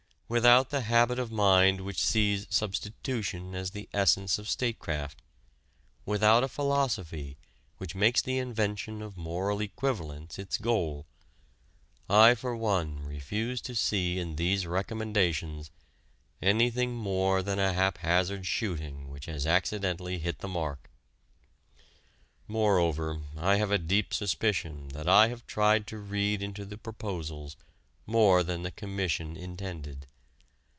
Without the habit of mind which sees substitution as the essence of statecraft, without a philosophy which makes the invention of moral equivalents its goal, I for one refuse to see in these recommendations anything more than a haphazard shooting which has accidentally hit the mark. Moreover, I have a deep suspicion that I have tried to read into the proposals more than the Commission intended.